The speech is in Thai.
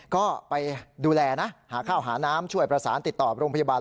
ก็ไปดูแลนะหาข้าวหาน้ำช่วยประสานติดต่อโรงพยาบาล